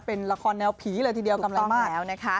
เป็นละครแนวผีเลยทีเดียวกำลังมาก